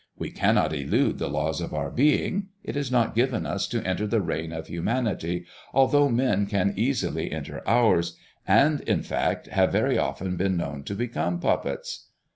We cannot elude the laws of our being, it is not given us to enter the reign of humanity, although men can easily enter ours, and in fact have very often been known to become puppets."